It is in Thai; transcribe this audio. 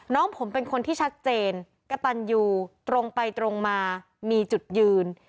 น้องผมเป็นคนที่ชัดเจนกระตันยูตรงไปตรงมามีจุดยืน